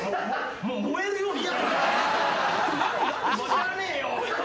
知らねえよ。